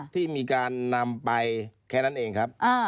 ที่มีการนำไปแค่นั้นเองครับ